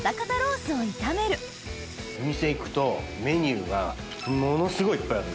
メニューがものすごいいっぱいあるんです。